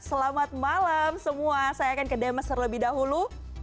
selamat malam semua saya akan ke demas terlebih dahulu